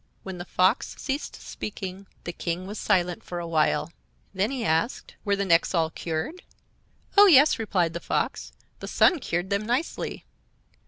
When the Fox ceased speaking the King was silent for a while. Then he asked: "Were the necks all cured?" "Oh, yes," replied the fox; "the sun cured them nicely."